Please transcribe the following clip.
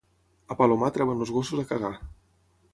A Palomar treuen els gossos a cagar.